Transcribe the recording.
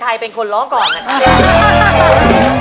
เรียกประกันแล้วยังคะ